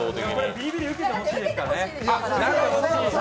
ビリビリ受けてほしいですからね。